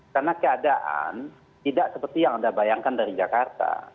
karena keadaan tidak seperti yang anda bayangkan dari jakarta